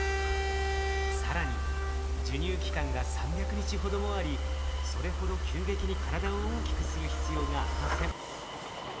更に授乳期間が３００日ほどもありそれほど急激に体を大きくする必要がありません。